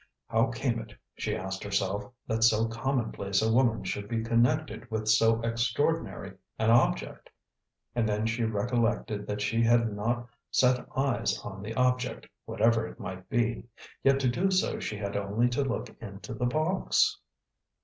How came it, she asked herself, that so commonplace a woman should be connected with so extraordinary an object? And then she recollected that she had not set eyes on the object, whatever it might be; yet to do so she had only to look into the box.